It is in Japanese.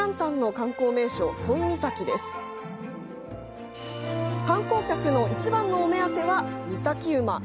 観光客のいちばんのお目当ては岬馬。